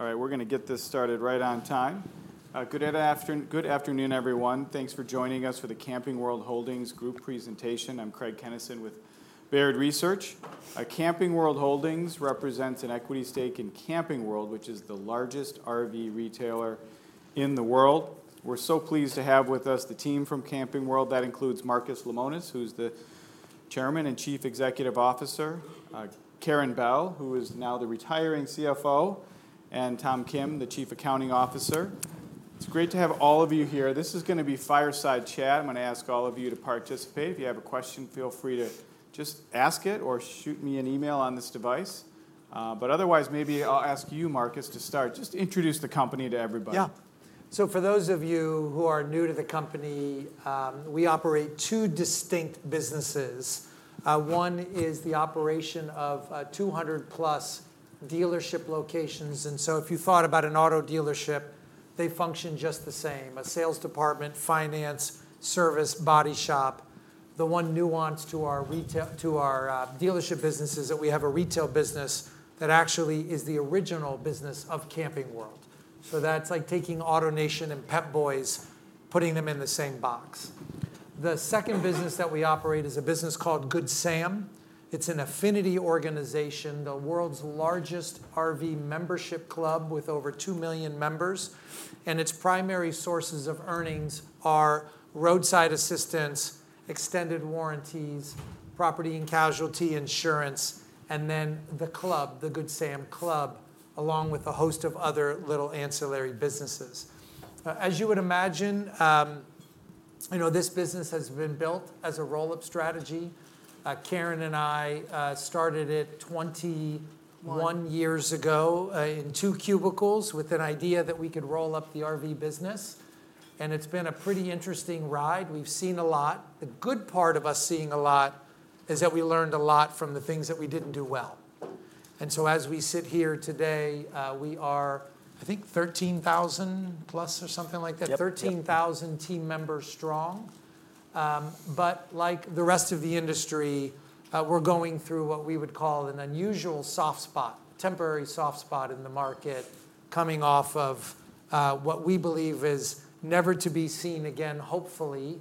All right, we're gonna get this started right on time. Good afternoon, everyone. Thanks for joining us for the Camping World Holdings group presentation. I'm Craig Kennison with Baird Research. Camping World Holdings represents an equity stake in Camping World, which is the largest RV retailer in the world. We're so pleased to have with us the team from Camping World, that includes Marcus Lemonis, who's the Chairman and Chief Executive Officer, Karin Bell, who is now the retiring CFO, and Tom Kirn, the Chief Accounting Officer. It's great to have all of you here. This is gonna be fireside chat. I'm gonna ask all of you to participate. If you have a question, feel free to just ask it or shoot me an email on this device. But otherwise, maybe I'll ask you, Marcus, to start. Just introduce the company to everybody. Yeah. So for those of you who are new to the company, we operate two distinct businesses. One is the operation of 200+ dealership locations, and so if you thought about an auto dealership, they function just the same: a sales department, finance, service, body shop. The one nuance to our dealership business is that we have a retail business that actually is the original business of Camping World. So that's like taking AutoNation and Pep Boys, putting them in the same box. The second business that we operate is a business called Good Sam. It's an affinity organization, the world's largest RV membership club, with over 2 million members, and its primary sources of earnings are roadside assistance, extended warranties, property and casualty insurance, and then the club, the Good Sam Club, along with a host of other little ancillary businesses. As you would imagine, you know, this business has been built as a roll-up strategy. Karin and I started it twenty- One... years ago, in two cubicles with an idea that we could roll up the RV business, and it's been a pretty interesting ride. We've seen a lot. The good part of us seeing a lot, is that we learned a lot from the things that we didn't do well. And so as we sit here today, we are, I think, 13,000 plus or something like that? Yep, yep. 13,000 team members strong. But like the rest of the industry, we're going through what we would call an unusual soft spot, temporary soft spot in the market, coming off of what we believe is never to be seen again, hopefully,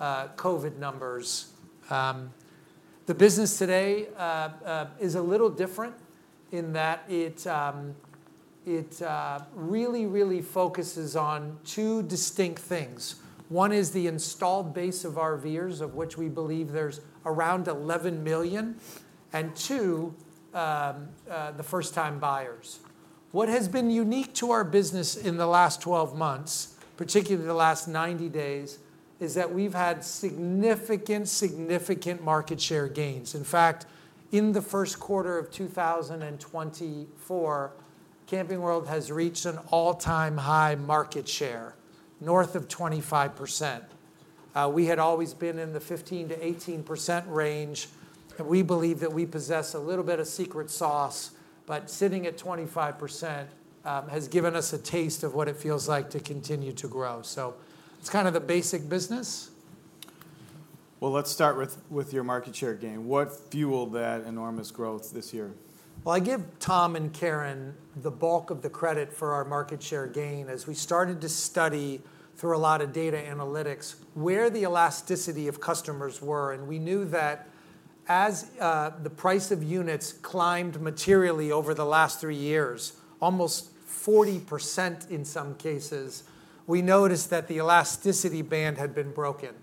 COVID numbers. The business today is a little different in that it really, really focuses on two distinct things. One is the installed base of RVers, of which we believe there's around 11 million, and two, the first-time buyers. What has been unique to our business in the last 12 months, particularly the last 90 days, is that we've had significant, significant market share gains. In fact, in the Q1 of 2024, Camping World has reached an all-time high market share, north of 25%. We had always been in the 15%-18% range, and we believe that we possess a little bit of secret sauce, but sitting at 25% has given us a taste of what it feels like to continue to grow. So it's kind of the basic business. Well, let's start with your market share gain. What fueled that enormous growth this year? Well, I give Tom Kirn and Karin Bell the bulk of the credit for our market share gain, as we started to study through a lot of data analytics, where the elasticity of customers were, and we knew that as the price of units climbed materially over the last three years, almost 40% in some cases, we noticed that the elasticity band had been broken.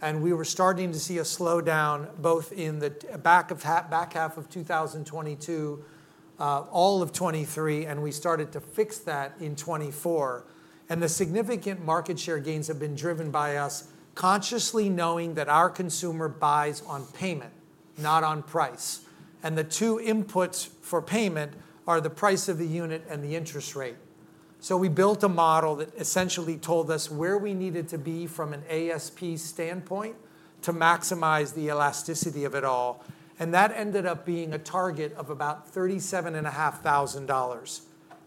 And we were starting to see a slowdown, both in the back half of 2022, all of 2023, and we started to fix that in 2024. And the significant market share gains have been driven by us consciously knowing that our consumer buys on payment, not on price. And the two inputs for payment are the price of the unit and the interest rate. So we built a model that essentially told us where we needed to be from an ASP standpoint, to maximize the elasticity of it all, and that ended up being a target of about $37,500.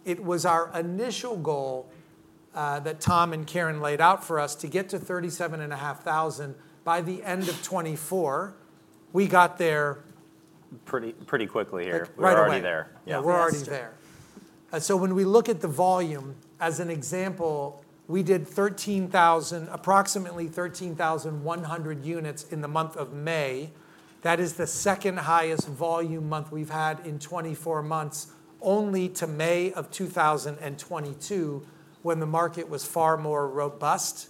It was our initial goal that Tom and Karin laid out for us to get to $37,500 by the end of 2024. We got there- Pretty, pretty quickly here. Right away. We're already there. Yeah, we're already there. Yeah. So when we look at the volume as an example, we did 13,000—approximately 13,100 units in the month of May. That is the second highest volume month we've had in 24 months, only to May of 2022, when the market was far more robust.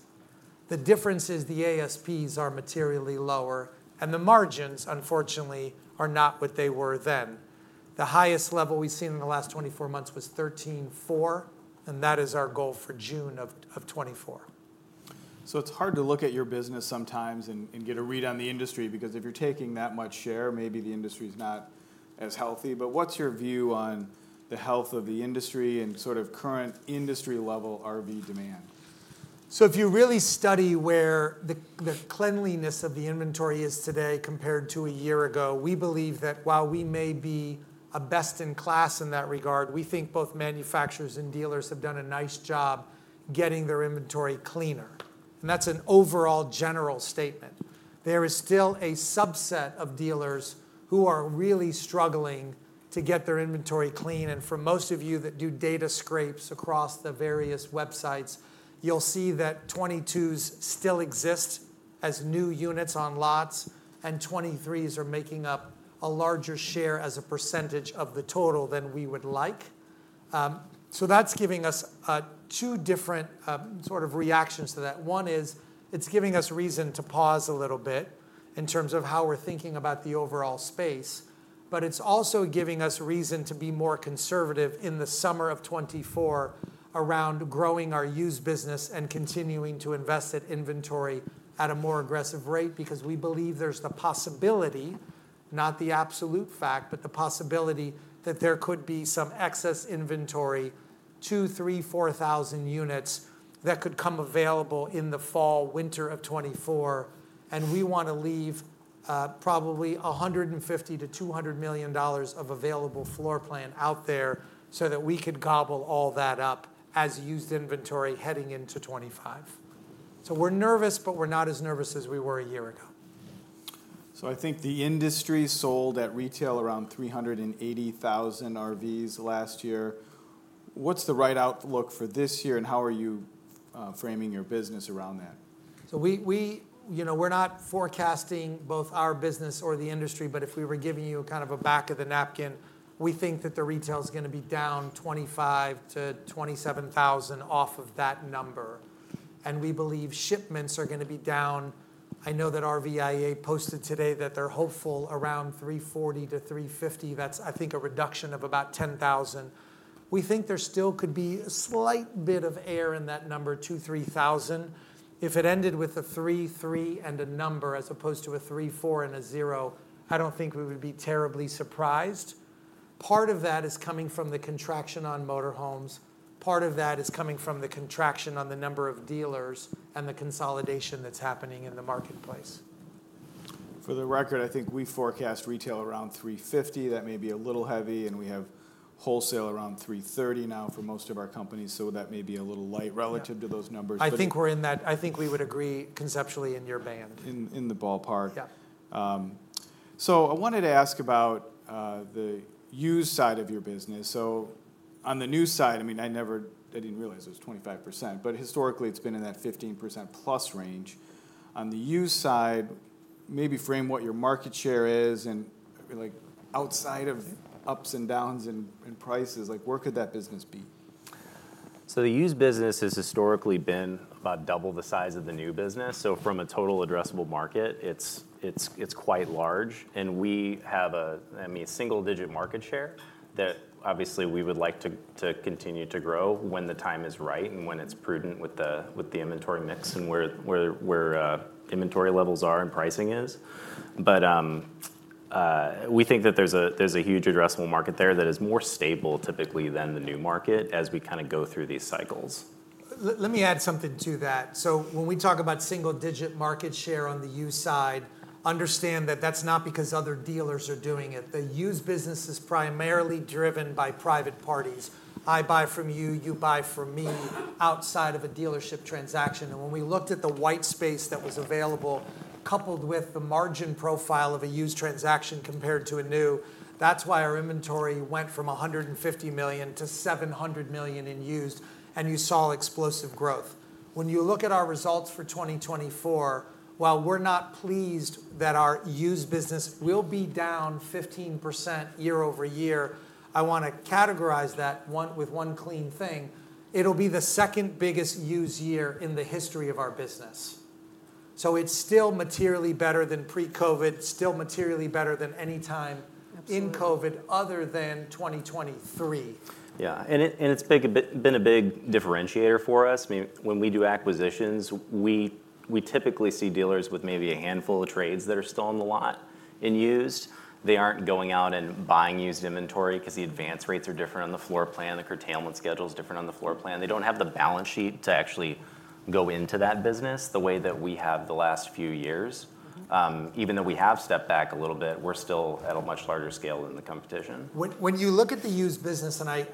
The difference is, the ASPs are materially lower, and the margins, unfortunately, are not what they were then. The highest level we've seen in the last 24 months was 13,400, and that is our goal for June of, of 2024. So it's hard to look at your business sometimes and get a read on the industry, because if you're taking that much share, maybe the industry's not as healthy. But what's your view on the health of the industry and sort of current industry-level RV demand? So if you really study where the cleanliness of the inventory is today compared to a year ago, we believe that while we may be a best in class in that regard, we think both manufacturers and dealers have done a nice job getting their inventory cleaner, and that's an overall general statement. There is still a subset of dealers who are really struggling to get their inventory clean, and for most of you that do data scrapes across the various websites, you'll see that 2022s still exist as new units on lots, and 2023s are making up a larger share as a percentage of the total than we would like. So that's giving us two different sort of reactions to that. One is, it's giving us reason to pause a little bit in terms of how we're thinking about the overall space, but it's also giving us reason to be more conservative in the summer of 2024 around growing our used business and continuing to invest in inventory at a more aggressive rate, because we believe there's the possibility, not the absolute fact, but the possibility that there could be some excess inventory, 2,000-4,000 units that could come available in the fall, winter of 2024, and we wanna leave, probably $150-$200 million of available floor plan out there, so that we could gobble all that up as used inventory heading into 2025. So we're nervous, but we're not as nervous as we were a year ago. I think the industry sold at retail around 380,000 RVs last year. What's the right outlook for this year, and how are you framing your business around that? So we, you know, we're not forecasting both our business or the industry, but if we were giving you a kind of a back of the napkin, we think that the retail is gonna be down 25-27 thousand off of that number, and we believe shipments are gonna be down. I know that RVIA posted today that they're hopeful around 340-350. That's, I think, a reduction of about 10,000. We think there still could be a slight bit of air in that number, 2-3 thousand. If it ended with a 333 and a number, as opposed to a 340, I don't think we would be terribly surprised. Part of that is coming from the contraction on motorhomes. Part of that is coming from the contraction on the number of dealers and the consolidation that's happening in the marketplace. For the record, I think we forecast retail around 350. That may be a little heavy, and we have wholesale around 330 now for most of our companies, so that may be a little light relative- Yeah... to those numbers. I think we're in that. I think we would agree conceptually in your band. In the ballpark. Yeah. So I wanted to ask about, the used side of your business. So on the new side, I mean, I never—I didn't realize it was 25%, but historically, it's been in that 15% plus range. On the used side, maybe frame what your market share is and, like, outside of ups and downs in prices, like, where could that business be? So the used business has historically been about double the size of the new business. So from a total addressable market, it's quite large, and we have, I mean, a single-digit market share that obviously we would like to continue to grow when the time is right and when it's prudent with the inventory mix and where inventory levels are and pricing is. But we think that there's a huge addressable market there that is more stable typically than the new market, as we kinda go through these cycles. Let me add something to that. So when we talk about single-digit market share on the used side, understand that that's not because other dealers are doing it. The used business is primarily driven by private parties. I buy from you, you buy from me, outside of a dealership transaction, and when we looked at the white space that was available, coupled with the margin profile of a used transaction compared to a new, that's why our inventory went from $150 million to $700 million in used, and you saw explosive growth. When you look at our results for 2024, while we're not pleased that our used business will be down 15% year-over-year, I wanna categorize that one with one clean thing: it'll be the second biggest used year in the history of our business. It's still materially better than pre-COVID, still materially better than any time- Absolutely... in COVID other than 2023. Yeah, and it's been a big differentiator for us. I mean, when we do acquisitions, we typically see dealers with maybe a handful of trades that are still on the lot in used. They aren't going out and buying used inventory 'cause the advance rates are different on the floor plan, the curtailment schedule is different on the floor plan. They don't have the balance sheet to actually go into that business the way that we have the last few years. Even though we have stepped back a little bit, we're still at a much larger scale than the competition. When you look at the used business, and I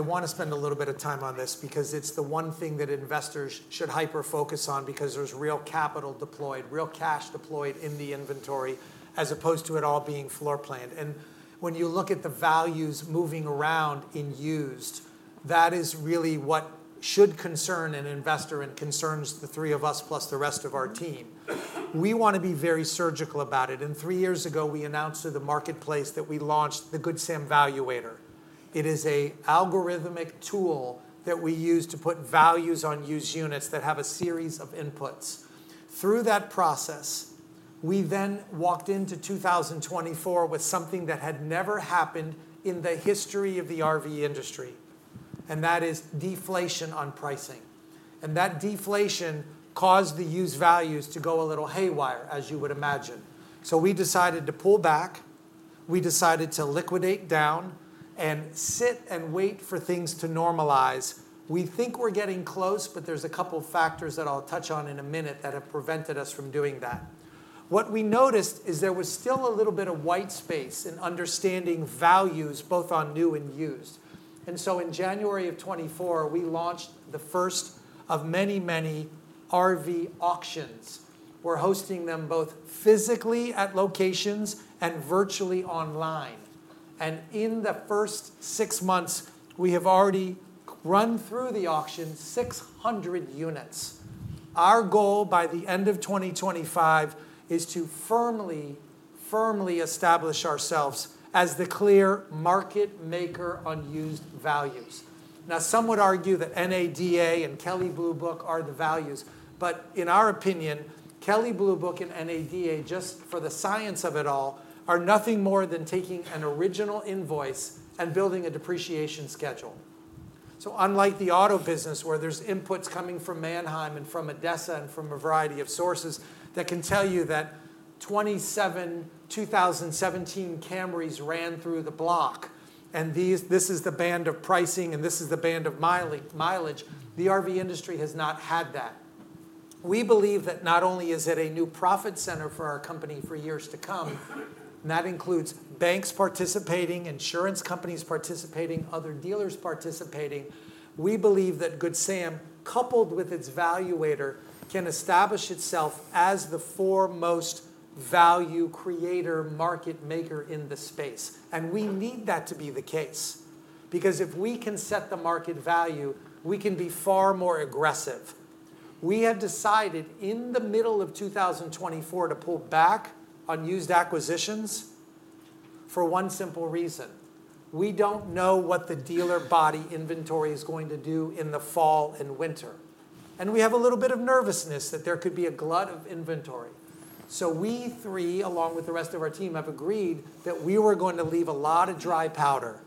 wanna spend a little bit of time on this because it's the one thing that investors should hyper-focus on because there's real capital deployed, real cash deployed in the inventory, as opposed to it all being floor planned. And when you look at the values moving around in used, that is really what should concern an investor and concerns the three of us, plus the rest of our team. We wanna be very surgical about it, and three years ago, we announced to the marketplace that we launched the Good Sam Valuator. It is a algorithmic tool that we use to put values on used units that have a series of inputs. Through that process, we then walked into 2024 with something that had never happened in the history of the RV industry, and that is deflation on pricing. That deflation caused the used values to go a little haywire, as you would imagine. We decided to pull back, we decided to liquidate down and sit and wait for things to normalize. We think we're getting close, but there's a couple factors that I'll touch on in a minute that have prevented us from doing that. What we noticed is there was still a little bit of white space in understanding values, both on new and used. So in January of 2024, we launched the first of many, many RV auctions. We're hosting them both physically at locations and virtually online... and in the first six months, we have already run through the auction 600 units. Our goal by the end of 2025 is to firmly, firmly establish ourselves as the clear market maker on used values. Now, some would argue that NADA and Kelley Blue Book are the values, but in our opinion, Kelley Blue Book and NADA, just for the science of it all, are nothing more than taking an original invoice and building a depreciation schedule. So unlike the auto business, where there's inputs coming from Manheim and from ADESA and from a variety of sources, that can tell you that 27 2017 Camrys ran through the block, and this is the band of pricing, and this is the band of mileage, the RV industry has not had that. We believe that not only is it a new profit center for our company for years to come, and that includes banks participating, insurance companies participating, other dealers participating. We believe that Good Sam, coupled with its valuator, can establish itself as the foremost value creator, market maker in the space. And we need that to be the case, because if we can set the market value, we can be far more aggressive. We have decided in the middle of 2024 to pull back on used acquisitions for one simple reason: we don't know what the dealer body inventory is going to do in the fall and winter, and we have a little bit of nervousness that there could be a glut of inventory. So we three, along with the rest of our team, have agreed that we were going to leave a lot of dry powder.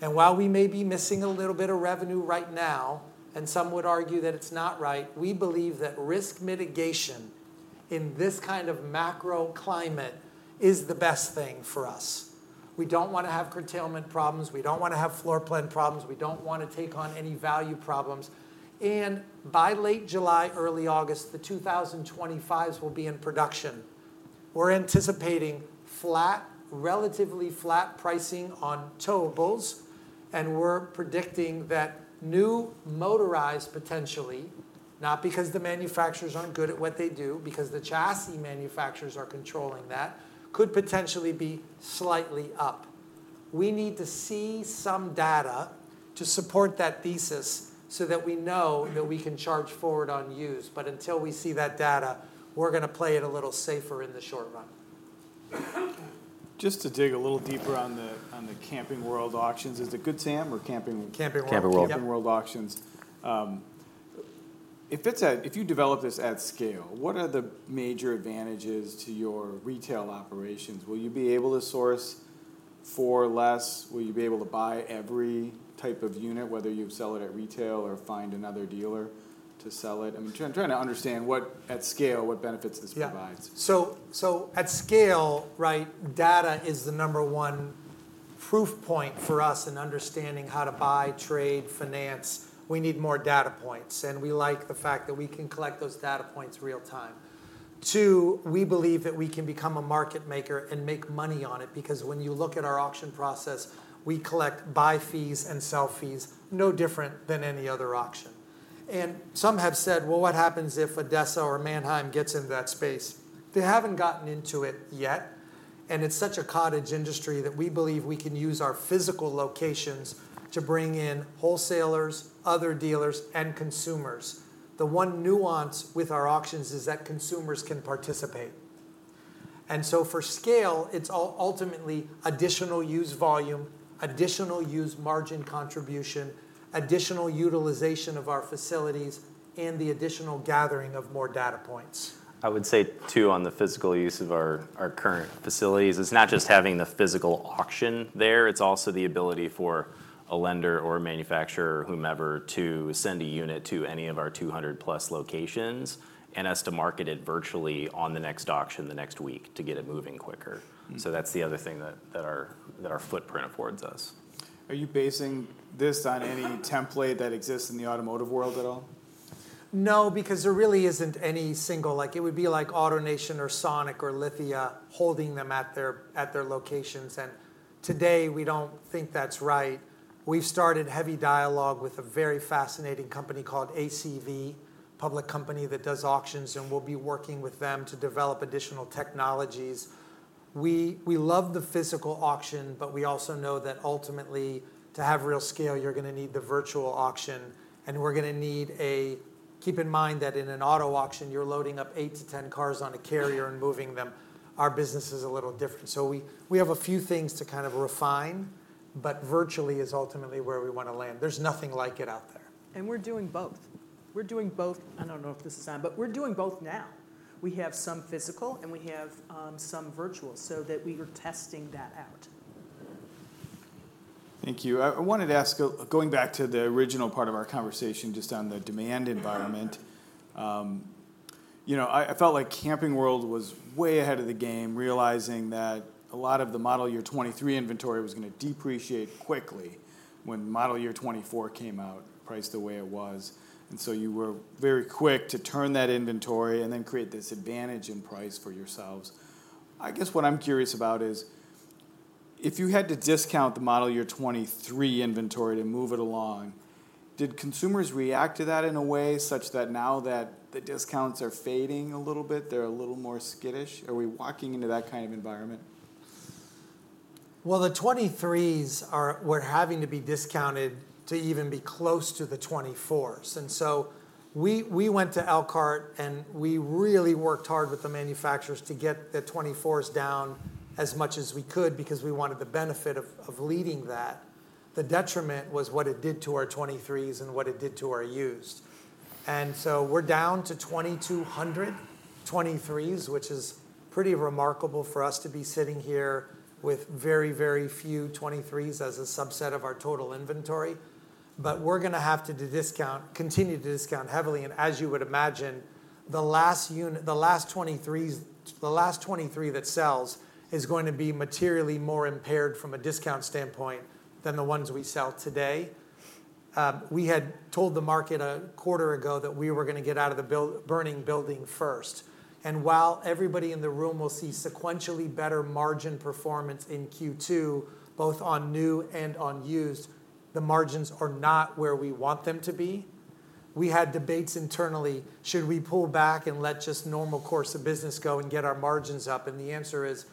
While we may be missing a little bit of revenue right now, and some would argue that it's not right, we believe that risk mitigation in this kind of macro climate is the best thing for us. We don't wanna have curtailment problems. We don't wanna have floor plan problems. We don't wanna have any value problems. And by late July, early August, the 2025s will be in production. We're anticipating flat, relatively flat pricing on towables, and we're predicting that new motorized, potentially, not because the manufacturers aren't good at what they do, because the chassis manufacturers are controlling that, could potentially be slightly up. We need to see some data to support that thesis so that we know that we can charge forward on used. But until we see that data, we're gonna play it a little safer in the short run. Just to dig a little deeper on the Camping World Auctions, is it Good Sam or Camping-? Camping World. Camping World. Camping World Auctions. If you develop this at scale, what are the major advantages to your retail operations? Will you be able to source for less? Will you be able to buy every type of unit, whether you sell it at retail or find another dealer to sell it? I'm trying to understand what, at scale, what benefits this provides. Yeah. So, so at scale, right, data is the number one proof point for us in understanding how to buy, trade, finance. We need more data points, and we like the fact that we can collect those data points real time. Two, we believe that we can become a market maker and make money on it, because when you look at our auction process, we collect buy fees and sell fees, no different than any other auction. And some have said: "Well, what happens if ADESA or Manheim gets into that space?" They haven't gotten into it yet, and it's such a cottage industry that we believe we can use our physical locations to bring in wholesalers, other dealers, and consumers. The one nuance with our auctions is that consumers can participate. So for scale, it's ultimately additional used volume, additional used margin contribution, additional utilization of our facilities, and the additional gathering of more data points. I would say, too, on the physical use of our current facilities, it's not just having the physical auction there, it's also the ability for a lender or a manufacturer, whomever, to send a unit to any of our 200+ locations and us to market it virtually on the next auction the next week to get it moving quicker. Mm. So that's the other thing that our footprint affords us. Are you basing this on any template that exists in the automotive world at all? No, because there really isn't any single... Like, it would be like AutoNation or Sonic or Lithia holding them at their locations, and today, we don't think that's right. We've started heavy dialogue with a very fascinating company called ACV, public company that does auctions, and we'll be working with them to develop additional technologies. We love the physical auction, but we also know that ultimately, to have real scale, you're gonna need the virtual auction. Keep in mind that in an auto auction, you're loading up 8-10 cars on a carrier and moving them. Our business is a little different, so we have a few things to kind of refine, but virtually is ultimately where we wanna land. There's nothing like it out there. We're doing both. We're doing both. I don't know if this is on, but we're doing both now. We have some physical, and we have some virtual, so that we are testing that out. Thank you. I wanted to ask, going back to the original part of our conversation, just on the demand environment. You know, I felt like Camping World was way ahead of the game, realizing that a lot of the model year 2023 inventory was gonna depreciate quickly when model year 2024 came out, priced the way it was. And so you were very quick to turn that inventory and then create this advantage in price for yourselves. I guess what I'm curious about is, if you had to discount the model year 2023 inventory to move it along. Did consumers react to that in a way such that now that the discounts are fading a little bit, they're a little more skittish? Are we walking into that kind of environment? Well, the '23s were having to be discounted to even be close to the '24s, and so we, we went to à la carte, and we really worked hard with the manufacturers to get the '24s down as much as we could because we wanted the benefit of, of leading that. The detriment was what it did to our '23s and what it did to our used. And so we're down to 2,200 '23s, which is pretty remarkable for us to be sitting here with very, very few '23s as a subset of our total inventory. But we're gonna have to discount, continue to discount heavily, and as you would imagine, the last unit, the last '23s, the last '23 that sells, is going to be materially more impaired from a discount standpoint than the ones we sell today. We had told the market a quarter ago that we were gonna get out of the burning building first. While everybody in the room will see sequentially better margin performance in Q2, both on new and on used, the margins are not where we want them to be. We had debates internally, should we pull back and let just normal course of business go and get our margins up? The answer is,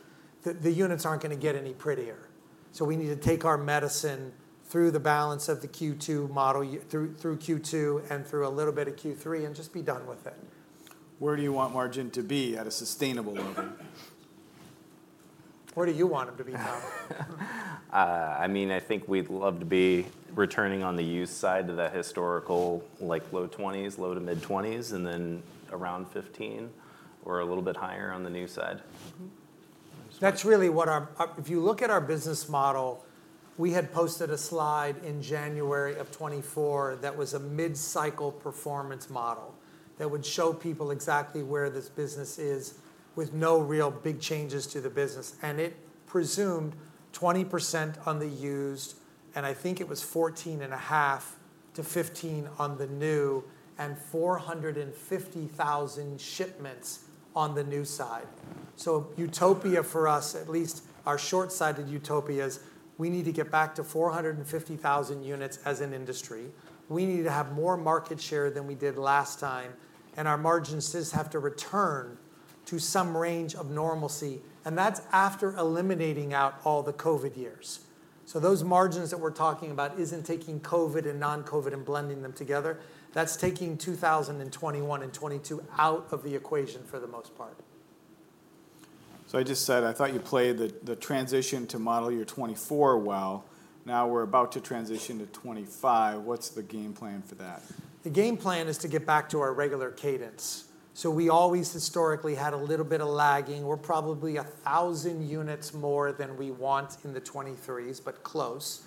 the units aren't gonna get any prettier. So we need to take our medicine through the balance of the Q2 model year through Q2, and through a little bit of Q3, and just be done with it. Where do you want margin to be at a sustainable level? Where do you want them to be, Tom? I mean, I think we'd love to be returning on the used side to that historical, like, low 20s, low-to-mid-20s, and then around 15 or a little bit higher on the new side. Mm-hmm. That's really what our-- if you look at our business model, we had posted a slide in January of 2024 that was a mid-cycle performance model, that would show people exactly where this business is, with no real big changes to the business. And it presumed 20% on the used, and I think it was 14.5%-15% on the new, and 450,000 shipments on the new side. So utopia for us, at least our short-sighted utopias, we need to get back to 450,000 units as an industry. We need to have more market share than we did last time, and our margins just have to return to some range of normalcy, and that's after eliminating out all the COVID years. Those margins that we're talking about isn't taking COVID and non-COVID and blending them together. That's taking 2021 and 2022 out of the equation for the most part. So I just said, I thought you played the transition to model year 2024 well. Now we're about to transition to 2025. What's the game plan for that? The game plan is to get back to our regular cadence. So we always historically had a little bit of lagging. We're probably 1,000 units more than we want in the 2023s, but close.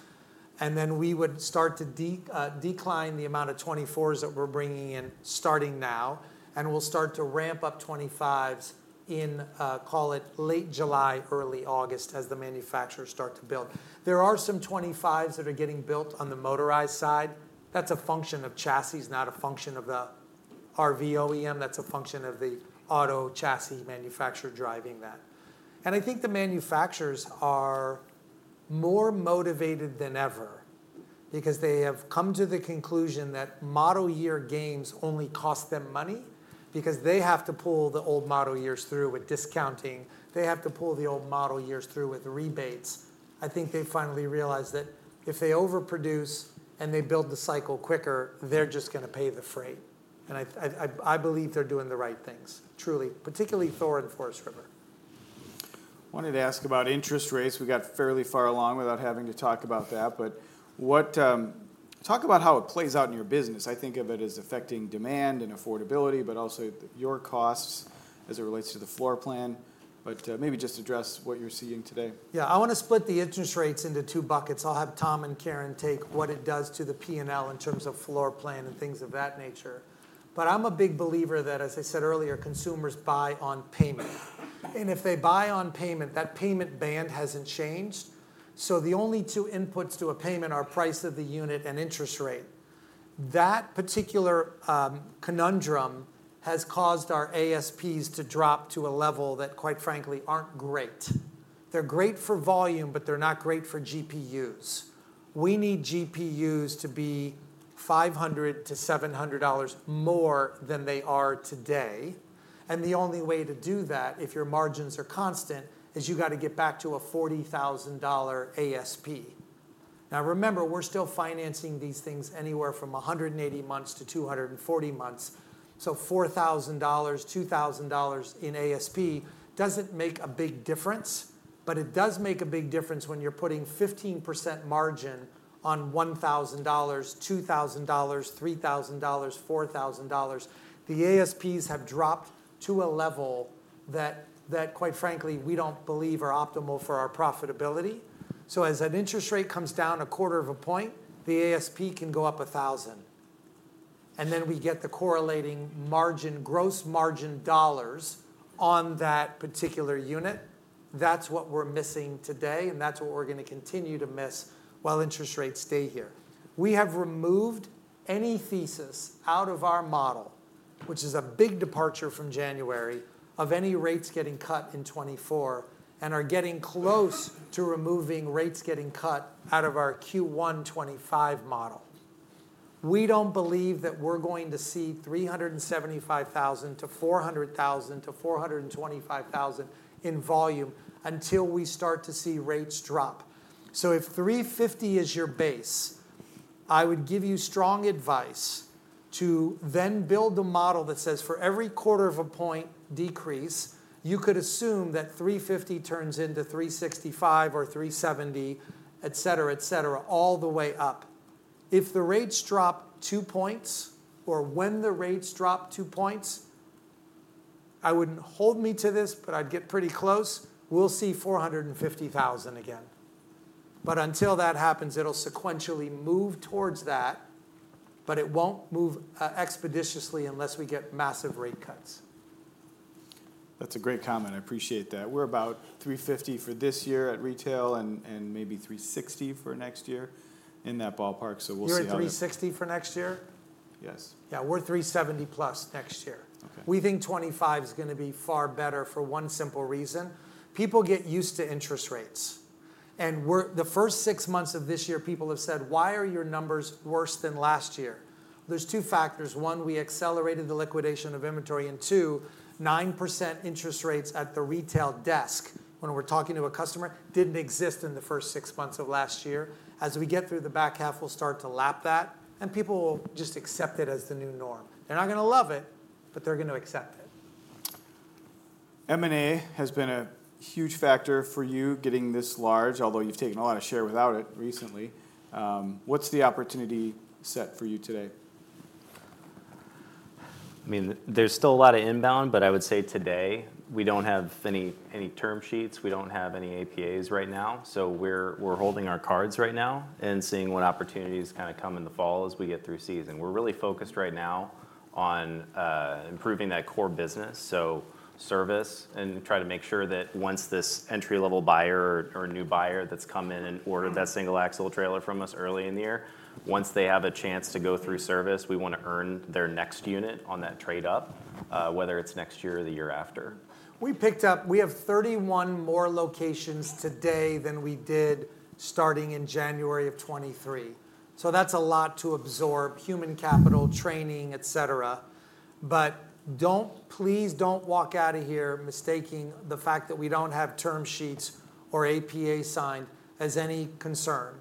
And then we would start to decline the amount of 2024s that we're bringing in starting now, and we'll start to ramp up 2025s in, call it late July, early August, as the manufacturers start to build. There are some 2025s that are getting built on the motorized side. That's a function of chassis, not a function of the RV OEM. That's a function of the auto chassis manufacturer driving that. And I think the manufacturers are more motivated than ever because they have come to the conclusion that model year gains only cost them money, because they have to pull the old model years through with discounting. They have to pull the old model years through with rebates. I think they finally realized that if they overproduce and they build the cycle quicker, they're just gonna pay the freight. I believe they're doing the right things, truly, particularly Thor and Forest River. Wanted to ask about interest rates. We got fairly far along without having to talk about that, but what... Talk about how it plays out in your business. I think of it as affecting demand and affordability, but also your costs as it relates to the floor plan. But, maybe just address what you're seeing today. Yeah, I wanna split the interest rates into two buckets. I'll have Tom and Karin take what it does to the P&L in terms of floor plan and things of that nature. But I'm a big believer that, as I said earlier, consumers buy on payment. And if they buy on payment, that payment band hasn't changed. So the only two inputs to a payment are price of the unit and interest rate. That particular conundrum has caused our ASPs to drop to a level that, quite frankly, aren't great. They're great for volume, but they're not great for GPUs. We need GPUs to be $500-$700 more than they are today, and the only way to do that, if your margins are constant, is you got to get back to a $40,000 ASP. Now, remember, we're still financing these things anywhere from 180 months to 240 months, so $4,000, $2,000 in ASP doesn't make a big difference, but it does make a big difference when you're putting 15% margin on $1,000, $2,000, $3,000, $4,000. The ASPs have dropped to a level that, quite frankly, we don't believe are optimal for our profitability. So as that interest rate comes down a quarter of a point, the ASP can go up $1,000. And then we get the correlating margin, gross margin dollars on that particular unit. That's what we're missing today, and that's what we're gonna continue to miss while interest rates stay here. We have removed any thesis out of our model-... which is a big departure from January, of any rates getting cut in 2024, and are getting close to removing rates getting cut out of our Q1 2025 model. We don't believe that we're going to see 375,000 to 400,000 to 425,000 in volume until we start to see rates drop. So if 350 is your base, I would give you strong advice to then build a model that says, for every quarter of a point decrease, you could assume that 350 turns into 365 or 370, et cetera, et cetera, all the way up. If the rates drop two points, or when the rates drop two points, I wouldn't hold me to this, but I'd get pretty close, we'll see 450,000 again. But until that happens, it'll sequentially move towards that, but it won't move expeditiously unless we get massive rate cuts. That's a great comment. I appreciate that. We're about 350 for this year at retail and maybe 360 for next year, in that ballpark, so we'll see how that- You're at $360 for next year? Yes. Yeah, we're $370+ next year. Okay. We think 2025 is gonna be far better for one simple reason: people get used to interest rates. And the first six months of this year, people have said, "Why are your numbers worse than last year?" There's two factors: one, we accelerated the liquidation of inventory, and two, 9% interest rates at the retail desk when we're talking to a customer, didn't exist in the first six months of last year. As we get through the back half, we'll start to lap that, and people will just accept it as the new norm. They're not gonna love it, but they're gonna accept it. M&A has been a huge factor for you getting this large, although you've taken a lot of share without it recently. What's the opportunity set for you today? I mean, there's still a lot of inbound, but I would say today, we don't have any term sheets. We don't have any APAs right now, so we're holding our cards right now and seeing what opportunities kinda come in the fall as we get through season. We're really focused right now on improving that core business, so service, and try to make sure that once this entry-level buyer or new buyer that's come in and ordered that single-axle trailer from us early in the year, once they have a chance to go through service, we wanna earn their next unit on that trade up, whether it's next year or the year after. We have 31 more locations today than we did starting in January of 2023. So that's a lot to absorb, human capital, training, et cetera. But please don't walk out of here mistaking the fact that we don't have term sheets or APA signed as any concern.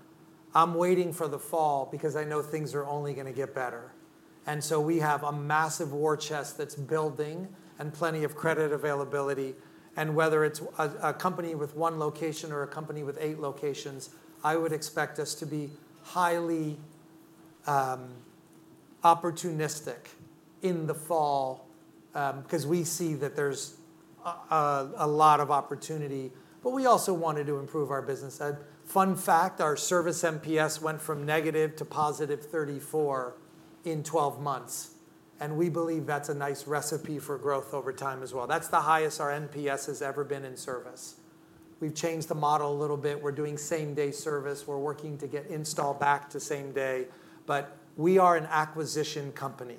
I'm waiting for the fall because I know things are only gonna get better, and so we have a massive war chest that's building and plenty of credit availability, and whether it's a company with one location or a company with 8 locations, I would expect us to be highly opportunistic in the fall, 'cause we see that there's a lot of opportunity. But we also wanted to improve our business. Fun fact, our service NPS went from negative to positive 34 in 12 months, and we believe that's a nice recipe for growth over time as well. That's the highest our NPS has ever been in service. We've changed the model a little bit. We're doing same-day service. We're working to get install back to same day, but we are an acquisition company,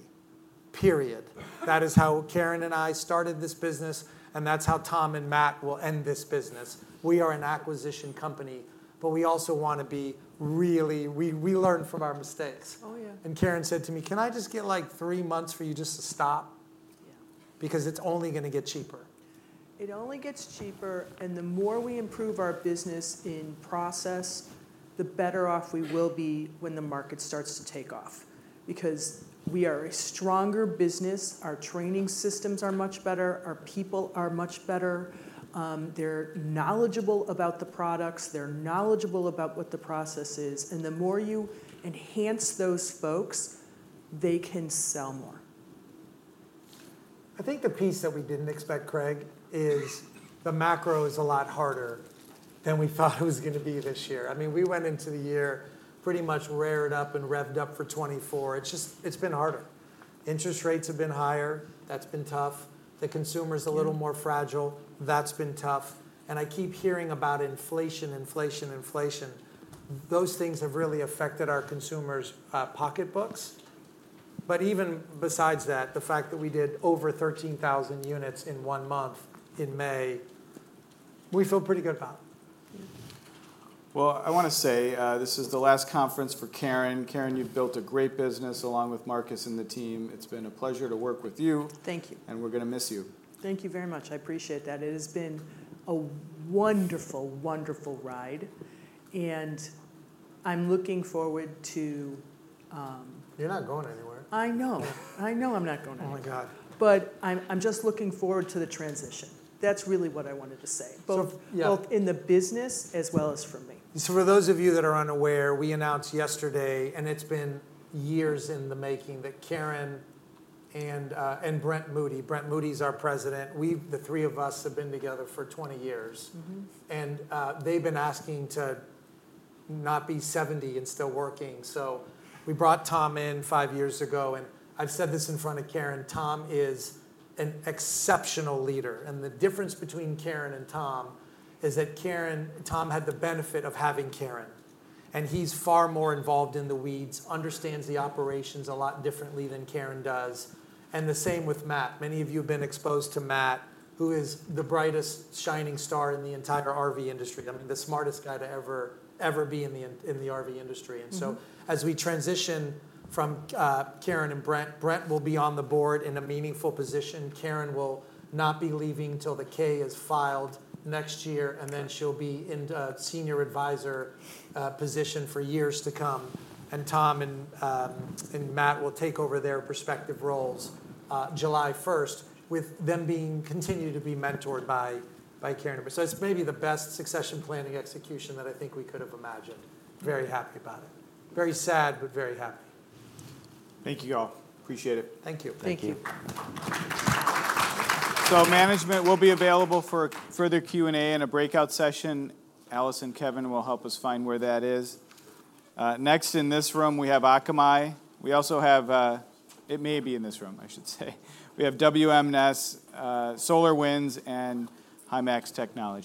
period. That is how Karin and I started this business, and that's how Tom and Matt will end this business. We are an acquisition company, but we also wanna be really-- We, we learn from our mistakes. Oh, yeah. Karin said to me, "Can I just get, like, three months for you just to stop? Yeah. Because it's only gonna get cheaper. It only gets cheaper, and the more we improve our business in process, the better off we will be when the market starts to take off. Because we are a stronger business, our training systems are much better, our people are much better. They're knowledgeable about the products, they're knowledgeable about what the process is, and the more you enhance those folks, they can sell more. I think the piece that we didn't expect, Craig, is the macro is a lot harder than we thought it was gonna be this year. I mean, we went into the year pretty much rared up and revved up for 2024. It's just, it's been harder. Interest rates have been higher. That's been tough. The consumer's a little more fragile. That's been tough. And I keep hearing about inflation, inflation, inflation. Those things have really affected our consumers', pocketbooks. But even besides that, the fact that we did over 13,000 units in one month, in May, we feel pretty good about. Well, I wanna say, this is the last conference for Karin. Karin, you've built a great business, along with Marcus and the team. It's been a pleasure to work with you. Thank you. And we're gonna miss you. Thank you very much. I appreciate that. It has been a wonderful, wonderful ride, and I'm looking forward to, You're not going anywhere. I know. I know I'm not going anywhere. Oh, my God! But I'm just looking forward to the transition. That's really what I wanted to say- So, yeah... both, both in the business as well as for me. So, for those of you that are unaware, we announced yesterday, and it's been years in the making, that Karin and Brent Moody, Brent Moody is our president, we've, the three of us, have been together for 20 years. Mm-hmm. They've been asking to not be 70 and still working, so we brought Tom in five years ago, and I've said this in front of Karin, Tom is an exceptional leader. The difference between Karin and Tom is that Karin—Tom had the benefit of having Karin, and he's far more involved in the weeds, understands the operations a lot differently than Karin does, and the same with Matt. Many of you have been exposed to Matt, who is the brightest shining star in the entire RV industry. I mean, the smartest guy to ever, ever be in the, in the RV industry. Mm-hmm. So, as we transition from Karin and Brent, Brent will be on the board in a meaningful position. Karin will not be leaving till the K is filed next year, and then she'll be in the senior advisor position for years to come. Tom and Matt will take over their respective roles July 1, with them continuing to be mentored by Karin. So it's maybe the best succession planning execution that I think we could have imagined. Very happy about it. Very sad, but very happy. Thank you, all. Appreciate it. Thank you. Thank you. So management will be available for further Q&A in a breakout session. Alice and Kevin will help us find where that is. Next in this room, we have Akamai. We also have... It may be in this room, I should say. We have WNS, SolarWinds, and IMAX Technology.